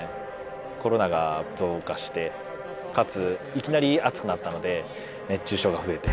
コロナが増加してかついきなり暑くなったので熱中症が増えて。